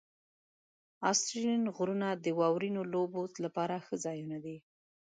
آسټرین غرونه د واورینو لوبو لپاره ښه ځایونه دي.